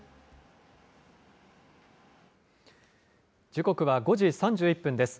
時刻は５時３１分です。